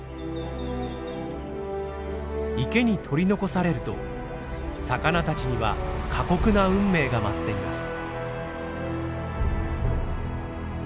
池に取り残されると魚たちには過酷な運命が待っています。